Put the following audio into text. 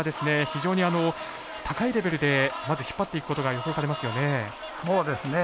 非常に高いレベルでまず引っ張っていくことが予想されますよね。